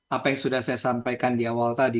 apa yang sudah saya sampaikan di awal tadi